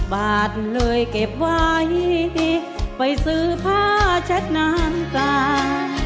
บาทเลยเก็บไว้ไปซื้อผ้าเช็ดน้ำตา